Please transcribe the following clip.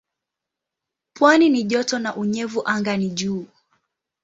Pwani ni joto na unyevu anga ni juu.